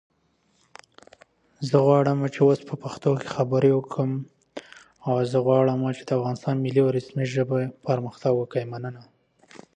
تاسي ولي په مځکي ناست سواست؟